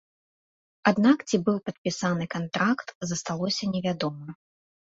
Аднак ці быў падпісаны кантракт засталося невядома.